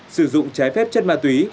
sử dụng trái phép chất ma túy